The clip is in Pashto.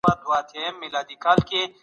که غږونه منفي تجربه شي، روغتیا اغېزمنېږي.